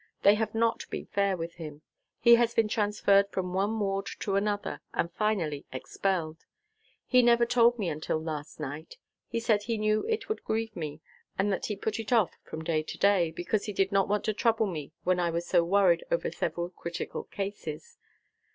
They have not been fair with him. He has been transferred from one ward to another, and finally expelled. He never told me until last night. He said he knew it would grieve me, and that he put it off from day to day, because he did not want to trouble me when I was so worried over several critical cases.